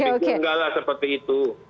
jadi itu gak lah seperti itu